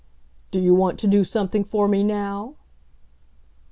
"Do you want to do something for me now?"